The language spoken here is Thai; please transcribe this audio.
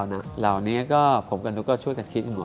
อเจมส์เหร้านี้ก็ผมกับนุกช่วยกันคิดหมดครับ